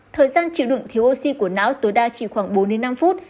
thời gian chịu đựng thiếu oxy của não tối đa chỉ khoảng bốn năm phút